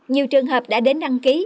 nhiều trường hợp đã đến đăng ký